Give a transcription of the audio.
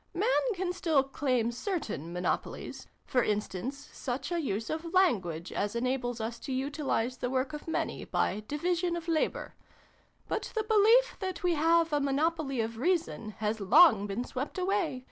Man can still claim certain monopolies for instance, such a use of language as enables us to utilise the work of many, by ' division of labour.' But the belief, that we have a monopoly of Reason, has long been swept away.